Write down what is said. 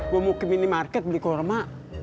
gua mau ke minimarket beli kurma